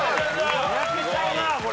にやけちゃうなこれは。